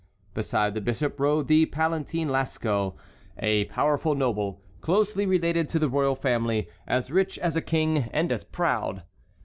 Beside the bishop rode the Palatine Lasco, a powerful noble, closely related to the royal family, as rich as a king and as proud.